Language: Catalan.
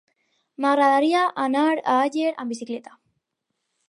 M'agradaria anar a Àger amb bicicleta.